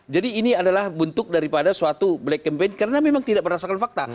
jadi ini adalah bentuk daripada suatu black campaign karena memang tidak berdasarkan fakta